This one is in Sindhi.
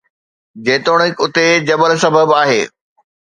جيتوڻيڪ اتي جيل سبب آهي